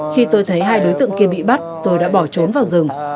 khi tôi thấy hai đối tượng kia bị bắt tôi đã bỏ trốn vào rừng